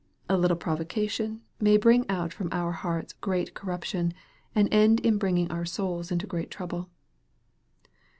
A little provocation may bring out from our hearts great corruption, and end in bringing our souls into great trouble.